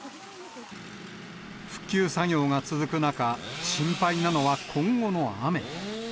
復旧作業が続く中、心配なのは今後の雨。